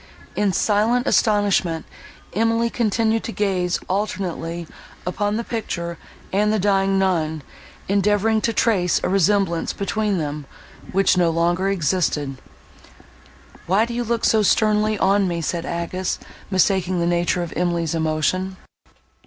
In silent astonishment, Emily continued to gaze alternately upon the picture and the dying nun, endeavouring to trace a resemblance between them, which no longer existed. "Why do you look so sternly on me?" said Agnes, mistaking the nature of Emily's emotion.